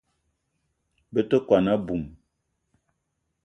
Me te kwuan a-bum